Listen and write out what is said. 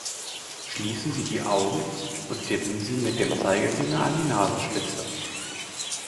Schließen Sie die Augen und tippen Sie sich mit dem Zeigefinder an die Nasenspitze!